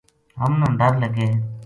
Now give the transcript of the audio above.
ہمنا ڈر لگے